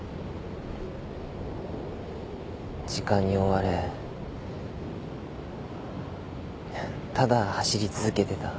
時間に追われただ走り続けてた。